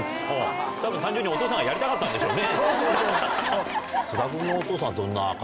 たぶん、単純にお父さんがやりたかったんでしょうね。